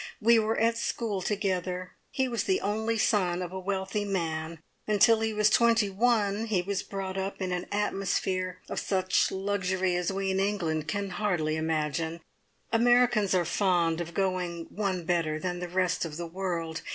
We were at school together. He was the only son of a wealthy man. Until he was twenty one he was brought up in an atmosphere of such luxury as we in England can hardly imagine. Americans are fond of going `one better' than the rest of the world.